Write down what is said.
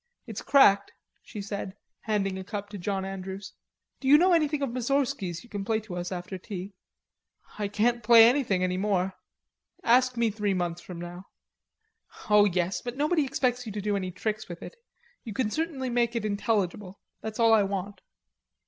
It's cracked," she said, handing a cup to John Andrews. "Do you know anything of Moussorgski's you can play to us after tea?" "I can't play anything any more.... Ask me three months from now." "Oh, yes; but nobody expects you to do any tricks with it. You can certainly make it intelligible. That's all I want."